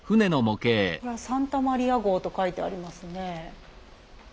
これは「サンタマリア号」と書いてありますね。